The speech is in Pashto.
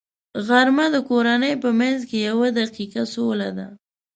غرمه د کورنۍ په منځ کې یوه دقیقه سوله ده